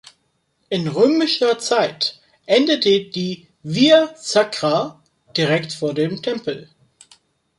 In römischer Zeit endete die Via Sacra direkt vor dem Tempel.